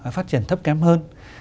phát triển thấp kém hơn